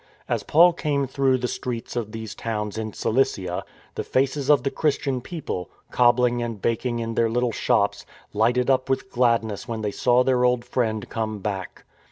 As Paul came through the streets of these towns in Cilicia, the faces of the Chris tian people, cobbling and baking in their little shops, lighted up with gladness when they saw their old friend come back.